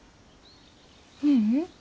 ううん。